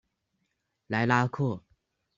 莱拉克。